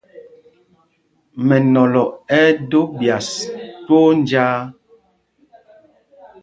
Mɛnɔlɔ ɛ́ ɛ́ dō ɓyas twóó njāā.